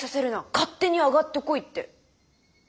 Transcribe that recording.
勝手に上がってこい」って。